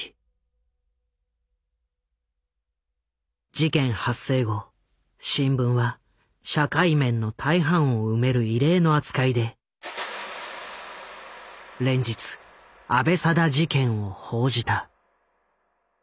事件発生後新聞は社会面の大半を埋める異例の扱いで連日阿部定事件を報じた。